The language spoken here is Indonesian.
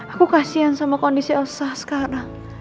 aku kasian sama kondisi elsa sekarang